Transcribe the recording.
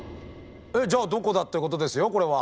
えっじゃあどこだってことですよこれは。